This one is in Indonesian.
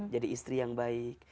jadi istri yang baik